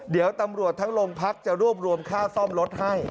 เดี๋ยวตำรวจทั้งโรงพักจะรวบรวมค่าซ่อมรถให้